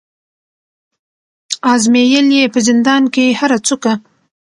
آزمېیل یې په زندان کي هره څوکه